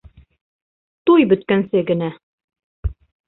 Туй бөткәнсе генә.